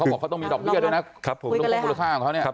เขาบอกเขาต้องมีดอกเบี้ยด้วยนะครับครับผมคุณคุณคุณค่าของเขาเนี่ยครับ